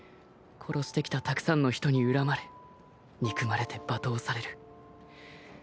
殺してきたたくさんの人に恨まれ憎まれて罵倒される。